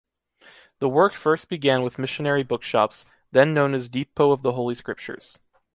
The work first began with missionary bookshops, then known as "Depot of the Holy Scriptures".